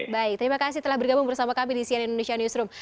baik terima kasih telah bergabung bersama kami di cnn indonesia newsroom